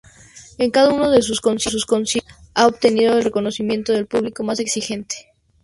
En cada uno de sus conciertos ha obtenido el reconocimiento del público más exigente.